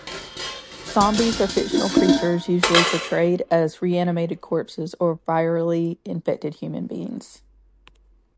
Zombies are fictional creatures usually portrayed as reanimated corpses or virally infected human beings.